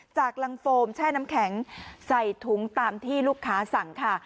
จากรังโฟมแช่น้ำแข็งใส่ถุงตามที่ลูกค้าสั่งค่ะ